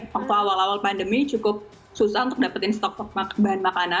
waktu awal awal pandemi cukup susah untuk dapetin stok stok bahan makanan apalagi beras karena tetap makan nasi